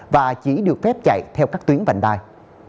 và chỉ được phép chạy theo các tuyến vành đai